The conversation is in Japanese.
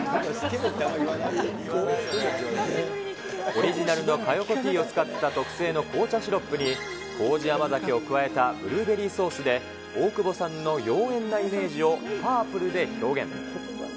オリジナルの佳代子ティーを使った特製の紅茶シロップに、こうじ甘酒を加えたブルーベリーソースで、大久保さんの妖艶なイメージをパープルで表現。